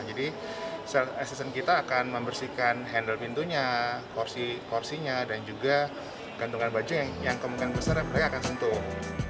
jadi sales assistant kita akan membersihkan handle pintunya korsinya dan juga gantungan baju yang kemungkinan besar mereka akan sentuh